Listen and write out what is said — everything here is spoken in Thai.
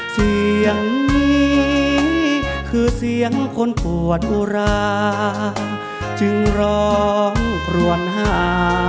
เสียงนี้คือเสียงคนปวดอุราจึงร้องกรวนหา